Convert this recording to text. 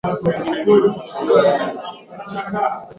kwamba leo hii wako Wakristo milioni kadhaa kule Misri kwa sababu